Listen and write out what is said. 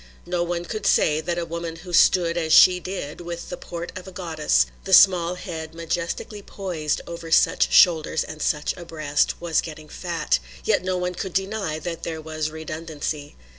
No one could say that a woman who stood as she did, with the port of a goddess the small head majestically poised over such shoulders and such a breast was getting fat; yet no one could deny that there was redundancy.